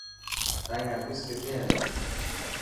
تائن آفيس ڪٿي هي.